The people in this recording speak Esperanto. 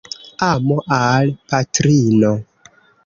Amo al patrino.